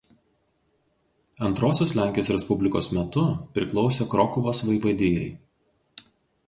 Antrosios Lenkijos Respublikos metu priklausė Krokuvos vaivadijai.